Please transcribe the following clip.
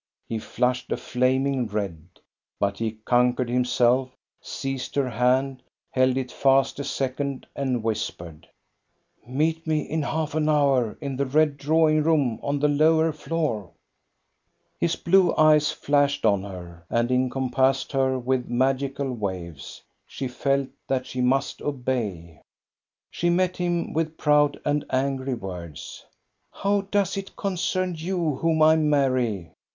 He flushed a flaming red, but he con quered himself, seized her hand, held it fast a second, and whispered :—" Meet me in half an hour in the red drawing room on the lower floor !" His blue eyes flashed on her, and encompassed her with magical waves. She felt that she must obey. She met him with proud and angry words. " How does it concern you whom I marry?